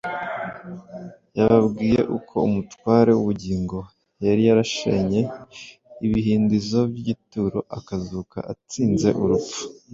Yababwiye uko Umutware w’ubugingo yari yarashenye ibihindizo by’igituro akazuka atsinze urupfu.